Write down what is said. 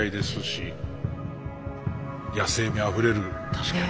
確かに。